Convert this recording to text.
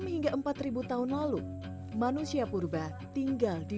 enam hingga empat ribu tahun lalu manusia purba tinggal di